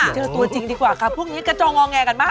เจอตัวจริงดีกว่าครับพวกนี้กระจองงอแงกันมั้ย